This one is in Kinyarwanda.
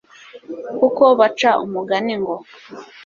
kuko baca umugani ngo